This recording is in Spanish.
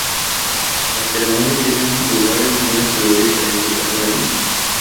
Las ceremonias tienen lugar en una ciudad diferente cada año.